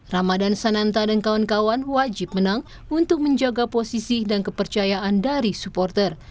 ramadan sananta dan kawan kawan wajib menang untuk menjaga posisi dan kepercayaan dari supporter